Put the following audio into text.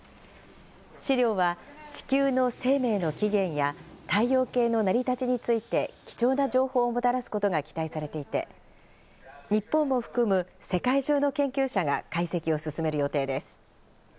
試料は地球の生命の起源や太陽系の成り立ちについて貴重な情報をもたらすことが期待されていて、日本も含む世界中の研究者が解析を進める予定です。